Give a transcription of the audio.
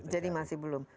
jadi masih belum